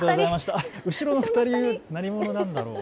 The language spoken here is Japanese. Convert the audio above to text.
後ろの２人、何者なんだろう。